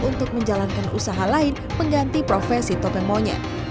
untuk menjalankan usaha lain mengganti profesi topeng monyet